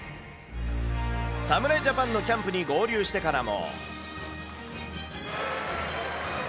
侍ジャパンのキャンプに合流してからも。